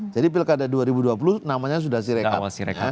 jadi pilkada dua ribu dua puluh namanya sudah c rekap